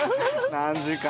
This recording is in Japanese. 「何時間？」。